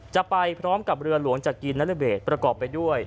จะไปพร้อมกับเรือหลวงจักรีนรเบศประกอบไปด้วย